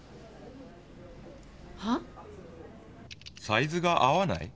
サイズが合わない？